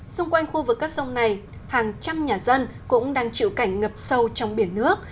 xung quanh khu vực các sông này hàng trăm nhà dân cũng đang chịu cảnh ngập sâu trong biển nước